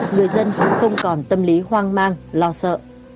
người dân cũng không còn tâm lý hoang mang lo sợ